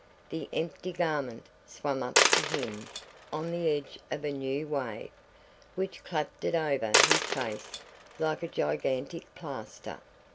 The empty garment swam up to him on the edge of a new wave, which clapped it over his face like a gigantic plaster.